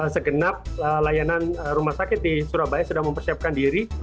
segenap layanan rumah sakit di surabaya sudah mempersiapkan diri